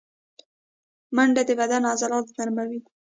منډه د بدن عضلات نرموي